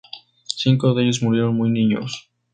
Cinco de ellos murieron muy niños.